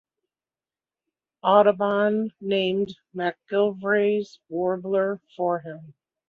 Audubon named MacGillivray's warbler for him.